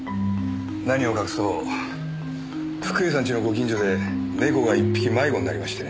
何を隠そう福栄さん家のご近所で猫が１匹迷子になりましてね。